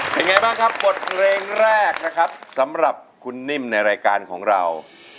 เป็นไงบ้างครับบทเพลงแรกนะครับสำหรับคุณนิ่มในรายการของเรา